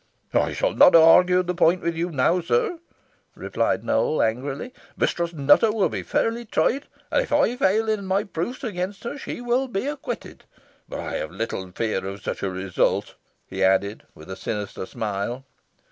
"I shall not argue the point with you now, sir," replied Nowell; angrily. "Mistress Nutter will be fairly tried, and if I fail in my proofs against her, she will be acquitted. But I have little fear of such a result," he added, with a sinister smile.